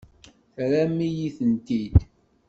Terram-iyi-tent-id.